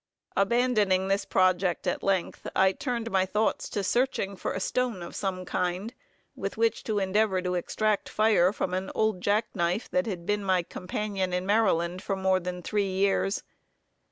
Abandoning this project at length, I turned my thoughts to searching for a stone of some kind, with which to endeavor to extract fire from an old jack knife, that had been my companion in Maryland for more than three years.